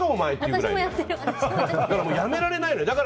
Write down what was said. やめられないのよ。